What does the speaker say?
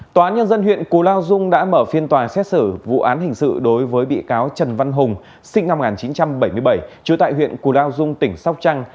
tòa nhân dân huyện cù lao dung đã mở phiên tòa xét xử vụ án hình sự đối với bị cáo trần văn hùng sinh năm một nghìn chín trăm bảy mươi bảy chứa tại huyện cù lao dung tỉnh sóc trăng